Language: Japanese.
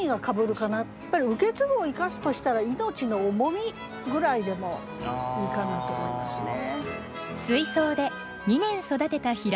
やっぱり「受け継ぐ」を生かすとしたら「命の重み」ぐらいでもいいかなと思いますね。